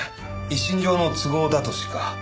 一身上の都合だとしか。